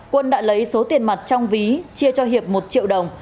quân đã lấy số tiền mặt trong ví chia cho hiệp một triệu đồng